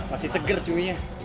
masih seger cuminya